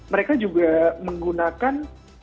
mereka juga menggunakan